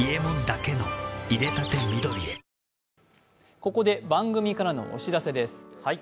ここで番組からのお知らせです。